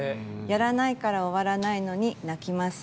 やらないから終わらないのに泣きます。